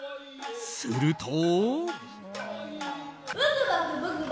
すると。